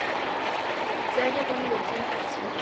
Se halla muy dividido en facciones.